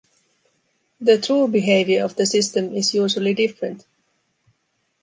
The true behavior of the system is usually different.